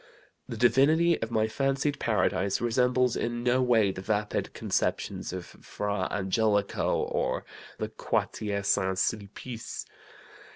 The Divinity of my fancied paradise resembles in no way the vapid conceptions of Fra Angelico, or the Quartier St. Sulpice.